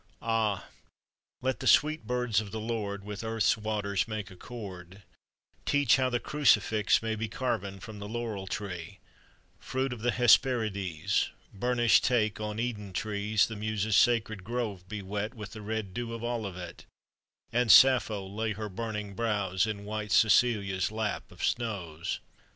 Ah! let the sweet birds of the Lord With earth's waters make accord; Teach how the crucifix may be Carven from the laurel tree, Fruit of the Hesperides Burnish take on Eden trees, The Muses' sacred grove be wet With the red dew of Olivet, And Sappho lay her burning brows In white Cecilia's lap of snows!